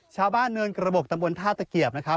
ชาวบ้านเนินกระบบตำบลท่าตะเกียบนะครับ